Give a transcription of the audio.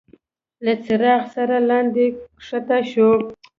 له څراغ سره لاندي کښته شو.